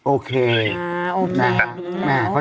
อ๋อโอเคหรือไงรู้แล้วใช่ค่ะ